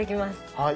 はい。